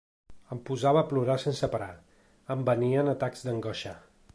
Em posava a plorar sense parar, em venien atacs d’angoixa.